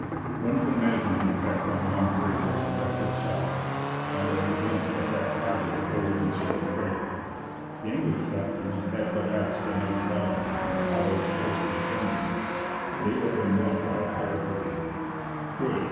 One can imagine the effect on young Drake of the treacherous act and of the glimpse of that cargo of gold and silver treasure. The English captains had but asked a night's lodging from a power supposed to be friendly. They had been met by a pirate raid. Good!